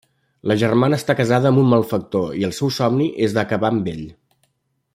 La germana està casada amb un malfactor i el seu somni és d'acabar amb ell.